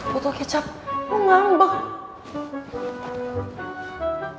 botol kecap lo ngambek